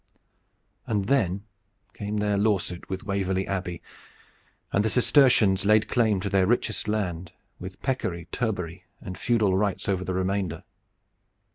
And then came their lawsuit with Waverley Abbey, and the Cistercians laid claim to their richest land, with peccary, turbary and feudal rights over the remainder.